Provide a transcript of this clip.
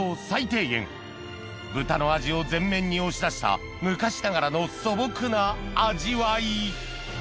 最低限豚の味を前面に押し出した昔ながらの素朴な味わい